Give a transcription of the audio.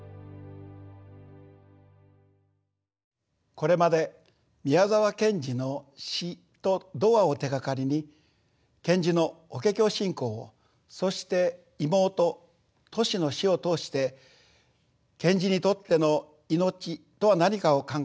これまで宮沢賢治の詩と童話を手がかりに賢治の「法華経」信仰をそして妹・トシの死を通して賢治にとっての命とは何かを考えてまいりました。